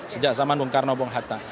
sejak zaman bung karno bung hatta